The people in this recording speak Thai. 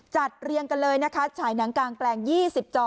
เรียงกันเลยนะคะฉายหนังกลางแปลง๒๐จอ